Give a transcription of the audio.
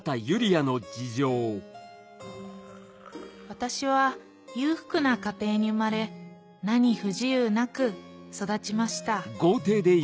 私は裕福な家庭に生まれ何不自由なく育ちました